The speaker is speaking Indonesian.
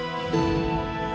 bagi yang tahu